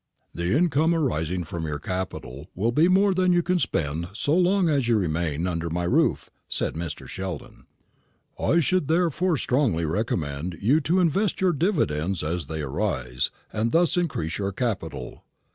"The income arising from your capital will be more than you can spend so long as you remain under my roof," said Mr. Sheldon. "I should therefore strongly recommend you to invest your dividends as they arise, and thus increase your capital."